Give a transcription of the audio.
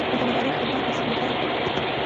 د ملالۍ خپلوان په سینګران کې وو.